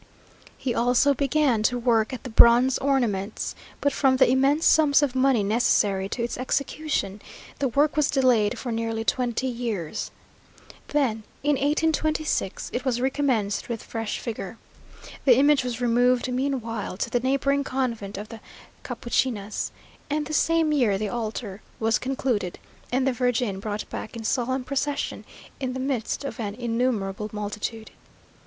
He also began to work at the bronze ornaments, but from the immense sums of money necessary to its execution, the work was delayed for nearly twenty years. Then, in 1826, it was recommenced with fresh vigour. The image was removed meanwhile to the neighbouring convent of the Capuchinas, and the same year the altar was concluded, and the Virgin brought back in solemn procession, in the midst of an innumerable multitude.